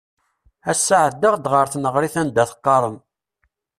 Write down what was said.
Ass-a ɛeddaɣ-d ɣer tneɣrit anda teqqarem.